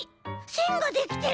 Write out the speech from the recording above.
せんができてる！